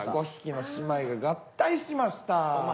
「５匹の獅子舞が合体しました」。